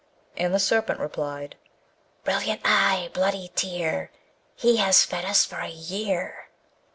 And the Serpent replied: Brilliant eye! bloody tear! He has fed us for a year.